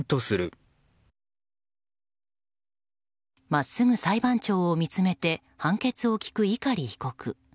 真っすぐ裁判長を見つめて判決を聞く碇被告。